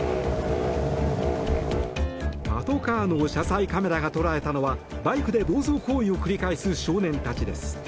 パトカーの車載カメラが捉えたのはバイクで暴走行為を繰り返す少年たちです。